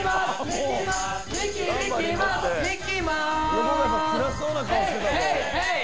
横川さんつらそうな顔してたぞ。